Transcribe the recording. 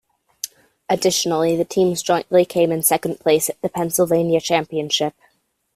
Additionally, the teams jointly came in second place at the Pennsylvania Championship.